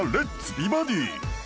美バディ」